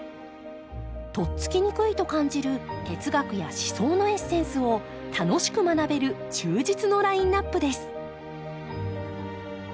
とっつきにくいと感じる哲学や思想のエッセンスを楽しく学べる充実のラインナップです